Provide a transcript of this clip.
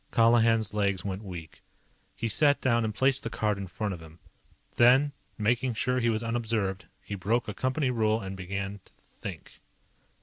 _" Colihan's legs went weak. He sat down and placed the card in front of him. Then, making sure he was unobserved, he broke a company rule and began to Think.